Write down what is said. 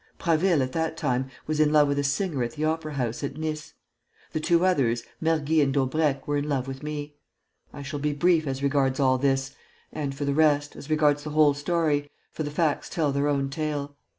Prasville, at that time, was in love with a singer at the opera house at Nice. The two others, Mergy and Daubrecq, were in love with me. I shall be brief as regards all this and, for the rest, as regards the whole story, for the facts tell their own tale.